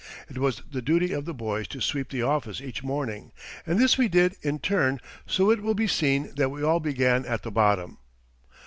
It was the duty of the boys to sweep the office each morning, and this we did in turn, so it will be seen that we all began at the bottom.